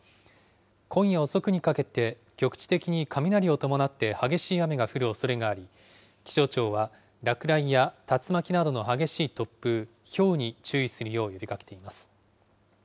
今夜遅くにかけて、局地的に雷を伴って激しい雨が降るおそれがあり、気象庁は落雷や竜巻などの激しい突風、ひょうに注意するよう呼びかけています。